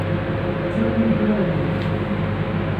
The Jungle Giants